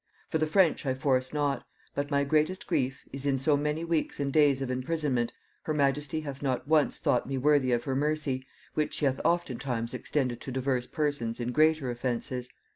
For the French I force not; but my greatest grief is, in so many weeks and days of imprisonment, her majesty hath not once thought me worthy of her mercy, which she hath often times extended to divers persons in greater offences.